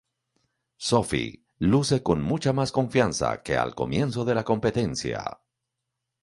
Sophie luce con mucha más confianza que al comienzo de la competencia.